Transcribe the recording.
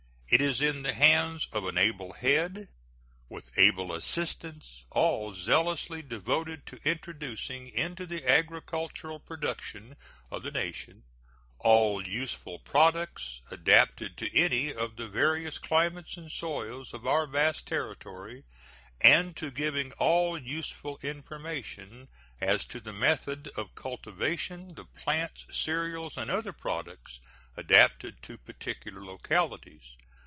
It is in the hands of an able head, with able assistants, all zealously devoted to introducing into the agricultural productions of the nation all useful products adapted to any of the various climates and soils of our vast territory, and to giving all useful information as to the method of cultivation, the plants, cereals, and other products adapted to particular localities.